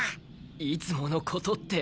いつものことって。